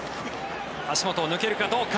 足元を抜けるかどうか。